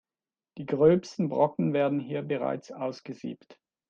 Die gröbsten Brocken werden hier bereits ausgesiebt.